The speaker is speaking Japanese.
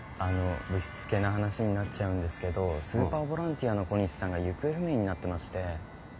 ぶしつけな話になっちゃうんですけどスーパーボランティアの小西さんが行方不明になってまして。